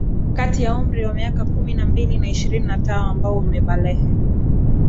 kati ya umri wa miaka kumi na mbili na ishirini na tano ambao wamebalehe